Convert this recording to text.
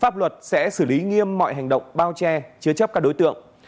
pháp luật sẽ xử lý nghiêm mọi hành động bao che chứa chấp các đối tượng